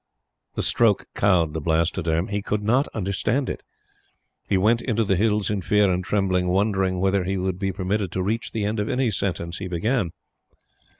The stroke cowed the Blastoderm. He could not understand it. He went into the Hills in fear and trembling, wondering whether he would be permitted to reach the end of any sentence he began.